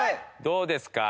どうですか？